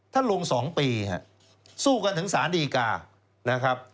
ท่านลง๒ปีสู้กันถึงสารดีกานะครับ